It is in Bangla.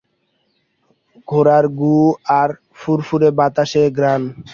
ঘোড়ার গু আর ফুরফুরে বাতাসের ঘ্রাণ।